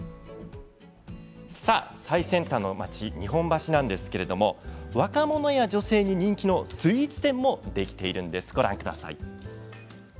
最先端の町日本橋なんですけれども若者や女性に人気のスイーツ店もできているんです。